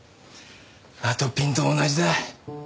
あとぴんと同じだ。